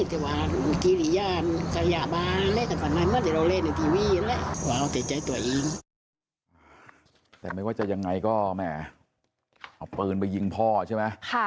เอาเปลือนไปยิงพ่อใช่ไหม